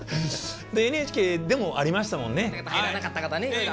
ＮＨＫでもありましたもんね。